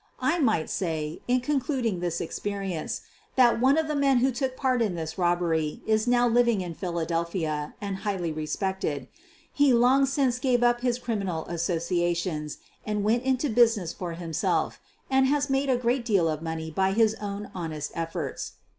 I might say, in concluding this experience, that one of the men who took part in this robbery is now living in Philadel phia and highly respected. He long since gave up his criminal associations and went into business for himself and has made a great deal of monr.y by his own honest efforts.